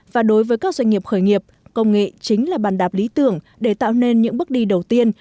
và đối với các doanh nghiệp khởi nghiệp công nghệ chính là bàn đạp lý tưởng để tạo nên những bước đi đầu tiên